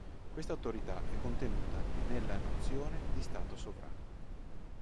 Questa autorità è contenuta nella nozione di stato sovrano.